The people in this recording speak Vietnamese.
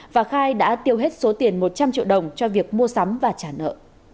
và khai đã tiêu hết số tiền một trăm linh triệu đồng cho việc mua sắm và trả nợ